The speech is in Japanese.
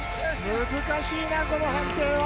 難しいな、この判定は。